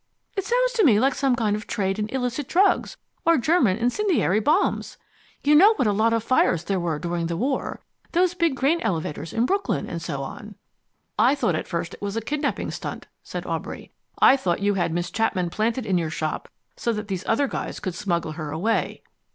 It sounds to me like some kind of trade in illicit drugs, or German incendiary bombs. You know what a lot of fires there were during the war those big grain elevators in Brooklyn, and so on." "I thought at first it was a kidnapping stunt," said Aubrey. "I thought you had got Miss Chapman planted in your shop so that these other guys could smuggle her away."